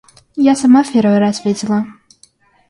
Я сама в первый раз видела.